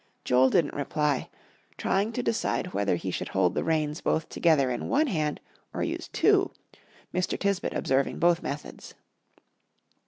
Joel didn't reply, trying to decide whether he should hold the reins both together in one hand or use two, Mr. Tisbett observing both methods.